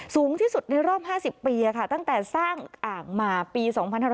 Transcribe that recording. สูงที่สุดในรอบ๕๐ปีตั้งแต่สร้างอ่างมาปี๒๕๕๙